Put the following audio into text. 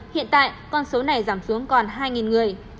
hiện tại con số này giảm xuống còn hai người